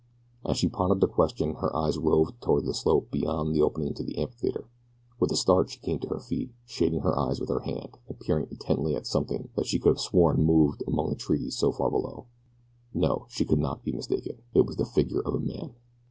As she pondered the question her eyes roved toward the slope beyond the opening to the amphitheater. With a start she came to her feet, shading her eyes with her hand and peering intently at something that she could have sworn moved among the trees far below. No, she could not be mistaken it was the figure of a man.